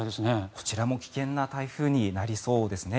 こちらも危険な台風になりそうですね。